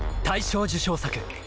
大賞受賞作